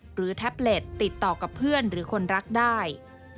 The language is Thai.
แท็บเล็ตติดต่อกับเพื่อนหรือคนรักได้